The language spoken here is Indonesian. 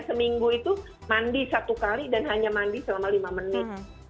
seminggu itu mandi satu kali dan hanya mandi selama lima menit